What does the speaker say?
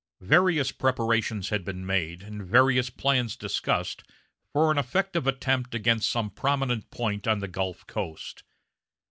Various preparations had been made and various plans discussed for an effective attempt against some prominent point on the Gulf coast.